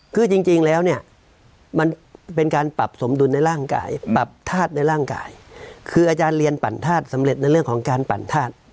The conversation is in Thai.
คือจริงแล้วเนี่ยมันเป็นการปรับสมดุลในร่างกายปรับธาตุในร่างกายคืออาจารย์เรียนปั่นธาตุสำเร็จในเรื่องของการปั่นธาตุ